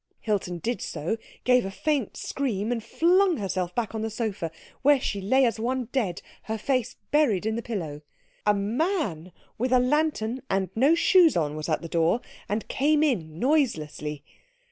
Hilton did so, gave a faint scream, and flung herself back on the sofa, where she lay as one dead, her face buried in the pillow. A man with a lantern and no shoes on was at the door, and came in noiselessly.